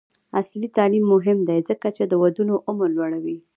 عصري تعلیم مهم دی ځکه چې د ودونو عمر لوړوي.